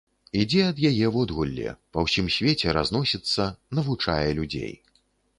Ідзе ад яе водгулле, па ўсім свеце разносіцца, навучае людзей.